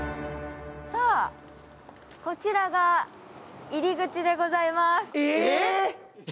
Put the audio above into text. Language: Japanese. さあ、こちらが入り口でございます。